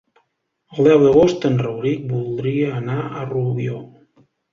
El deu d'agost en Rauric voldria anar a Rubió.